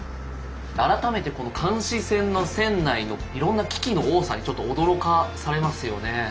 改めてこの監視船の船内のいろんな機器の多さにちょっと驚かされますよね。